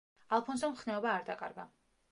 ალფონსომ მხნეობა არ დაკარგა.